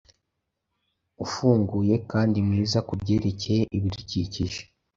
ufunguye kandi mwiza kubyerekeye ibidukikije